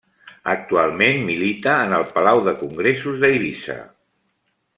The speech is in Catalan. Actualment milita en el Palau de Congressos d'Eivissa.